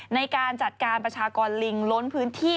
ในการจัดการประชากรลิงล้นพื้นที่